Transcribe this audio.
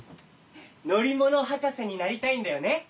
のりものはかせになりたいんだよね。